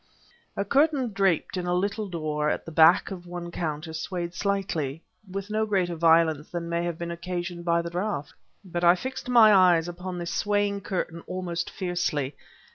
A curtain draped in a little door at the back of one counter swayed slightly, with no greater violence than may have been occasioned by the draught. But I fixed my eyes upon this swaying curtain almost fiercely...